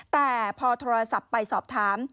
แต่พอโทรศัพท์ไปสอบถาม